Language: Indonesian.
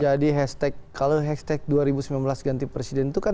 jadi kalau hashtag dua ribu sembilan belas ganti presiden itu kan